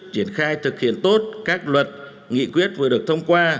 triển khai thực hiện tốt các luật nghị quyết vừa được thông qua